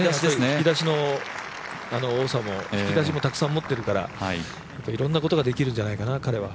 引き出しの多さも引き出しもたくさん持ってるからいろいろなことができるんじゃないかな、彼は。